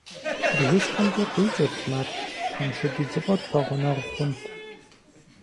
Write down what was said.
БгыщхьэмкӀэ къикӀырт мэр: куэншыб идзыпӀэ тпэгъунэгъу хъунт.